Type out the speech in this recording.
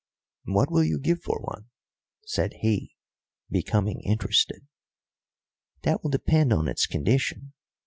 "What will you give for one?" said he, becoming interested. "That will depend on its condition.